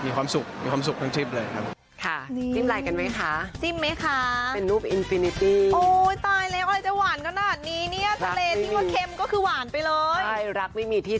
มีความศุกร์มีความศุกร์ทั้งชีพเลยครับ